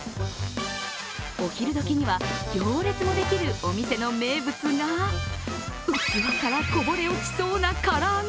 お昼時には行列もできるお店の名物が器からこぼれ落ちそうな唐揚げ。